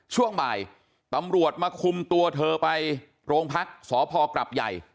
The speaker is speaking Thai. ช่วงบ่ายตำรวจมาคุมตัวเธอไปโรงพักสพกรับใหญ่